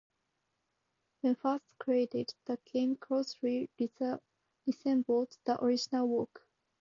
When first created, the game closely resembled the original work.